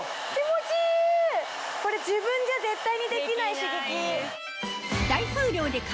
これ自分じゃ絶対にできない刺激！